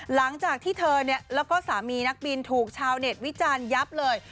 หลังจากที่เธอแล้วก็สามีนักบินถูกชาวเน็ตวิจารณ์ยับเลย